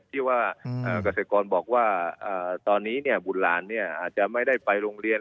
ที่ว่าเกษตรกรบอกว่าตอนนี้บุตรหลานอาจจะไม่ได้ไปโรงเรียน